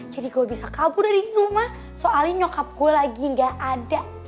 jadi gue bisa kabur dari rumah soalnya nyokap gue lagi nggak ada